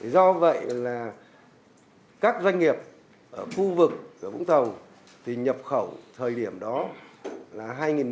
do vậy là các doanh nghiệp ở khu vực của vũng tàu thì nhập khẩu thời điểm đó là hai nghìn một mươi bảy